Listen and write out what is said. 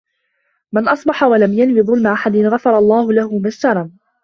مَنْ أَصْبَحَ وَلَمْ يَنْوِ ظُلْمَ أَحَدٍ غَفَرَ اللَّهُ لَهُ مَا اجْتَرَمَ